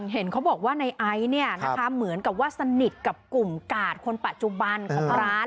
เห็นเขาบอกว่าในไอซ์เหมือนกับว่าสนิทกับกลุ่มกาดคนปัจจุบันของร้าน